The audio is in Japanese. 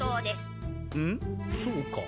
そうか。